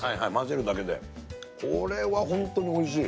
これは本当においしい。